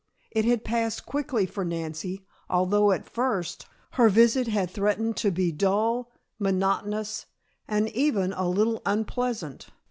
It had passed quickly for Nancy, although at first her visit had threatened to be dull, monotonous and even a little unpleasant.